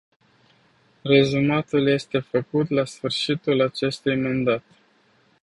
Rezumatul este făcut la sfârșitul acestui mandat.